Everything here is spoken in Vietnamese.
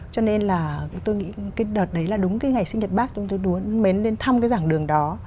cho nên là tôi nghĩ cái đợt đấy là đúng cái ngày sinh nhật bắc chúng tôi muốn mến lên thăm cái dạng đường đó